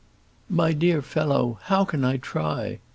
"My dear fellow, how can I try?